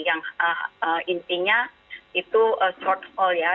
yang intinya itu shortfall ya